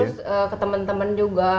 terus ke temen temen juga